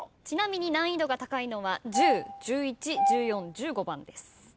ちなみに難易度が高いのは１０１１１４１５番です。